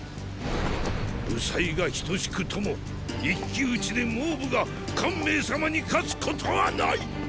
武才が等しくとも一騎討ちで蒙武が汗明様に勝つことはない！！